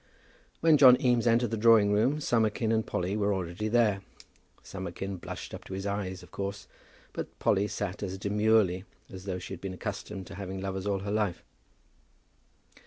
When John Eames entered the drawing room Summerkin and Polly were already there. Summerkin blushed up to his eyes, of course, but Polly sat as demurely as though she had been accustomed to having lovers all her life.